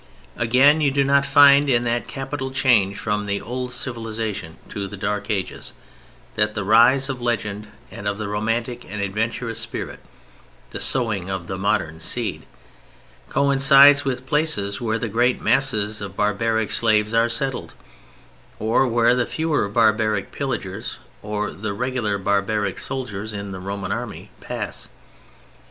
Again, you do not find, in that capital change from the old civilization to the Dark Ages, that the rise of legend and of the romantic and adventurous spirit (the sowing of the modern seed) coincides with places where the great mass of barbaric slaves are settled, or where the fewer barbaric pillagers or the regular barbaric soldiers in the Roman Army pass.